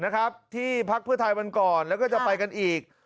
นะครับที่พักเพื่อไทยวันก่อนแล้วก็จะไปกันอีก